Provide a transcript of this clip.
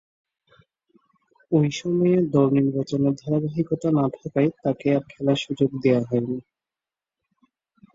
ঐ সময়ে দল নির্বাচনে ধারাবাহিকতা না থাকায় তাকে আর খেলার সুযোগ দেয়া হয়নি।